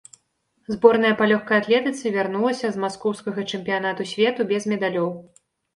Зборная па лёгкай атлетыцы вярнулася з маскоўскага чэмпіянату свету без медалёў.